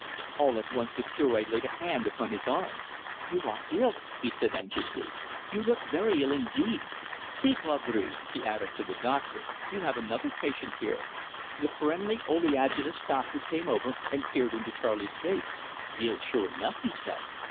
All at once the Cure laid a hand upon his arm. "You are ill," he said anxiously. "You look very ill indeed. See, Vaudrey," he added to the doctor, "you have another patient here!" The friendly, oleaginous doctor came over and peered into Charley's face. "Ill sure enough!" he said.